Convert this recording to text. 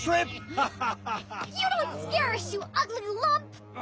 ハハハ！